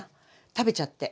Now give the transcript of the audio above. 食べちゃって。